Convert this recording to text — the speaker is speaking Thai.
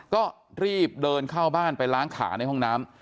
ก็รีบเดินเข้าบ้านไปล้างขาในห้องน้ำ